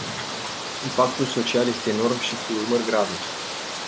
Impactul social este enorm și cu urmări grave.